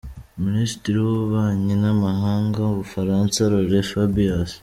Minisitiri w’ububanyi n’amahanga w’u Bufaransa Laurent Fabius .